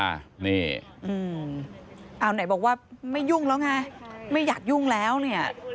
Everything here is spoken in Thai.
อันนี้บอกว่าไม่ยุ่งแล้วไงไม่อยากยุ่งแล้วเนี่ย